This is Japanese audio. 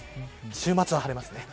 週末は晴れますね。